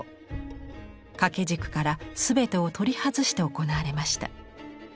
掛け軸から全てを取り外して行われました。